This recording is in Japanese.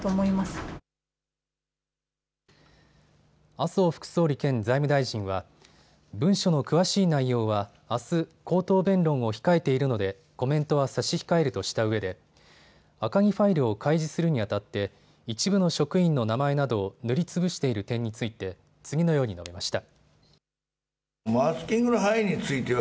麻生副総理兼財務大臣は文書の詳しい内容はあす、口頭弁論を控えているのでコメントは差し控えるとしたうえで赤木ファイルを開示するにあたって一部の職員の名前などを塗りつぶしている点について次のように述べました。